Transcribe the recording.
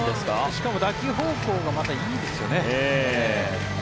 しかも打球方向がいいですよね。